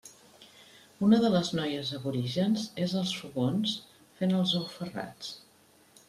Una de les noies aborígens és als fogons fent els ous ferrats.